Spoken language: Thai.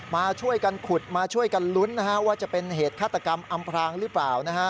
มาช่วยกันขุดมาช่วยกันลุ้นว่าจะเป็นเหตุฆาตกรรมอำพรางหรือเปล่านะฮะ